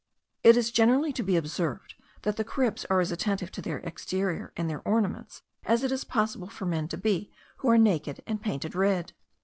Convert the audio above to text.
It is generally to be observed, that the Caribs are as attentive to their exterior and their ornaments, as it is possible for men to be, who are naked and painted red.